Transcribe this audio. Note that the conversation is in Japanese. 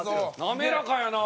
滑らかやな！